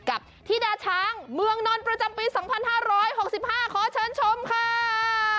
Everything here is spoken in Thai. กับธิดาช้างเมืองนนท์ประจำปี๒๕๖๕ขอเชิญชมค่ะ